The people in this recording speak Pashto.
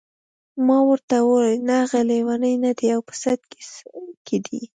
ما ورته وویل نه هغه لیونی نه دی او په سد کې دی.